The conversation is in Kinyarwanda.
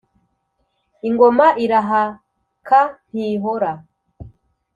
Ingoma irahaka ntihora